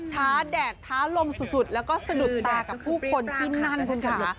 แดดท้าลมสุดแล้วก็สะดุดตากับผู้คนที่นั่นคุณค่ะ